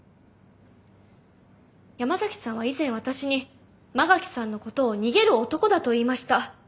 山崎さんは以前私に馬垣さんのことを「逃げる男」だと言いました。